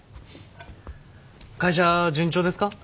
会社は順調ですか？